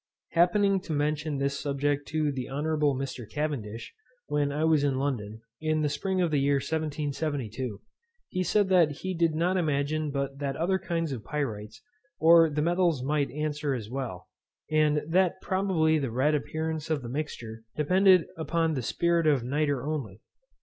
Happening to mention this subject to the Hon. Mr. Cavendish, when I was in London, in the spring of the year 1772, he said that he did not imagine but that other kinds of pyrites, or the metals might answer as well, and that probably the red appearance of the mixture depended upon the spirit of nitre only.